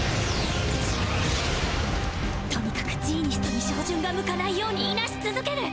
とにかくジーニストに照準が向かないように往なし続ける